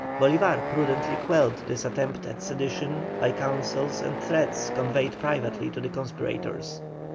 Bolívar prudently quelled this attempt at sedition by counsels and threats conveyed privately to the conspirators.